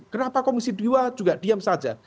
kenapa komisi dua juga diam saja